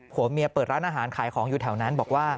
ผัวเมียเปิดร้านอาหารขายของอยู่แถวนั้นบอกว่า